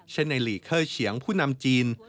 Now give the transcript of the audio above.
เช่นไอลีเคอร์เฉียงภูนำจีน